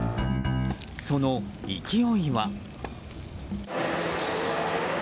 その勢いは。